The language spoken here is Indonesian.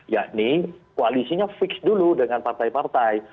yakni koalisinya fix dulu dengan partai partai